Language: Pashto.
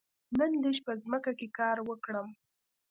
نن لږ په ځمکه کې کار وکړم.